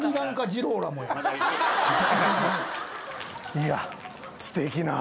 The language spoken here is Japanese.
いやすてきな。